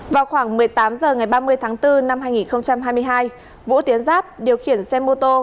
vào khoảng một mươi tám h ngày ba mươi tháng bốn năm hai nghìn hai mươi hai vũ tiến giáp điều khiển xe mô tô